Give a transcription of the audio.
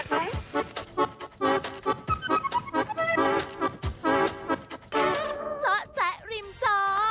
จ๊ะจ๊ะริมจอ